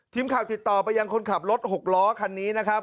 ทีมข่าวติดต่อไปยังคนขับรถหกล้อคันนี้นะครับ